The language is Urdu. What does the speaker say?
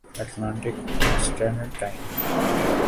Atlantic standard time